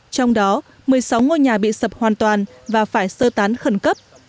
trong đó một mươi sáu ngôi nhà bị sập hoàn toàn và phải sơ tán khẩn cấp